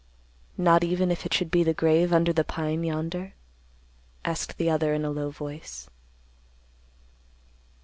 "Not even if it should be the grave under the pine yonder?" asked the other in a low voice.